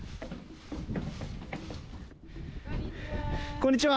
こんにちは。